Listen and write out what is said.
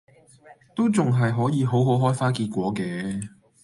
都仲係可以好好開花結果嘅